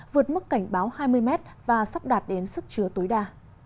vượt mức cảnh báo hai mươi m và sắp đạt đến sức chứa tối đa